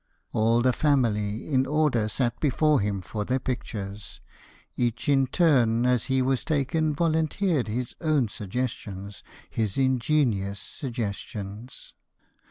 All the family in order Sat before him for their pictures: Each in turn, as he was taken, Volunteered his own suggestions, His ingenious suggestions.